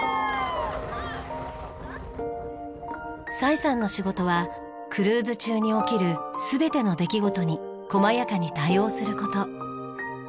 サイさんの仕事はクルーズ中に起きる全ての出来事に細やかに対応する事。